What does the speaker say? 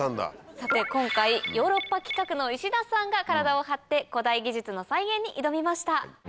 さて今回ヨーロッパ企画の石田さんが体を張って古代技術の再現に挑みました。